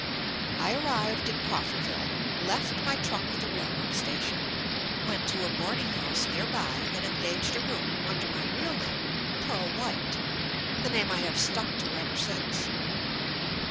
I arrived in Coffeyville, left my trunk at the railroad station, went to a board ing house nearby and engaged a room under my real name — "Pearl White" — the name I have stuck to ever since.